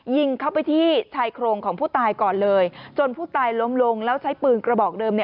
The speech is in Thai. ยิงเข้าไปที่ชายโครงของผู้ตายก่อนเลยจนผู้ตายล้มลงแล้วใช้ปืนกระบอกเดิม